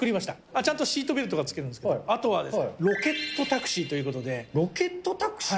ちゃんとシートベルトがつけるんですけど、あとは、ロケットタクロケットタクシー？